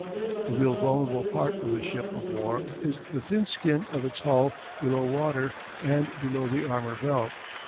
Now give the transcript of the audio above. The real vulnerable part of a ship of war is the thin skin of its hull below water and below the armor belt.